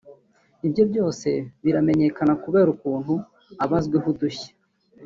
ibye byose biramenyekana kubera ukuntu aba azwiho udushya